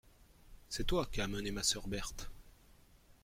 C'est toi qu'as emmené ma sœur Berthe.